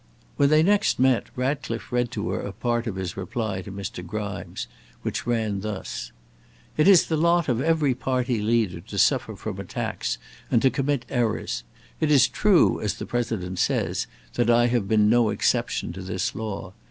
When they next met, Ratcliffe read to her a part of his reply to Mr. Grimes, which ran thus: "It is the lot of every party leader to suffer from attacks and to commit errors. It is true, as the President says, that I have been no exception to this law.